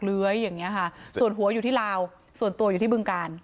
เลื้อยอย่างนี้ค่ะส่วนหัวอยู่ที่ลาวส่วนตัวอยู่ที่บึงกาล